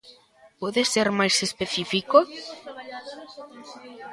Pode ser máis específico?